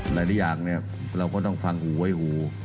หลายอย่างเนี่ยเราก็ต้องฟังหูไว้หู